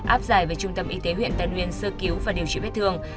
áp giải về trung tâm y tế huyện tân nguyên sơ cứu và điều trị bếp thương